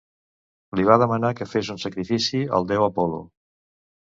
Li va demanar que fes un sacrifici al déu Apol·lo.